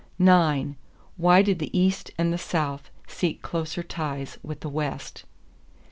9. Why did the East and the South seek closer ties with the West?